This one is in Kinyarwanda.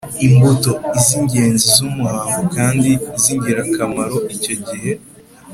imbuto : iz'ingenzi z'umuhango kandi z'ingirakamaro icyo gihe